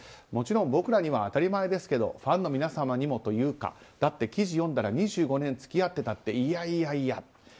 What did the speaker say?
もちろん僕らには当たり前ですけどファンの皆様にもというかだって、記事を読んだら２５年付き合ってたっていやいやいや。